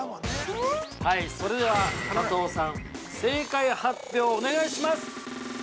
◆それでは加藤さん、正解発表をお願いします！